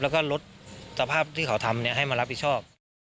แล้วก็ลดสภาพที่เขาทำให้มารับผิดชอบ